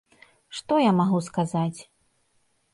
Што я магу сказаць?